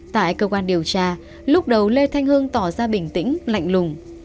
tại cơ quan điều tra lúc đầu lê thanh hưng tỏ ra bình tĩnh lạnh lùng